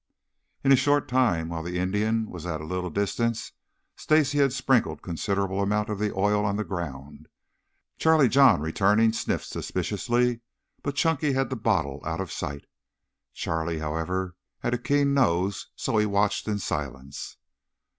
In a short time, while the Indian was at a little distance, Stacy had sprinkled considerable of the oil on the ground. Charlie John, returning, sniffed suspiciously, but Chunky had the bottle out of sight. Charlie, however, had a keen nose, so he watched in silence.